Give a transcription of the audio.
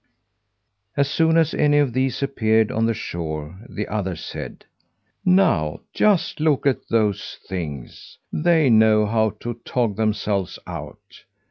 As soon as any of these appeared on the shore, the others said: "Now, just look at those things! They know how to tog themselves out."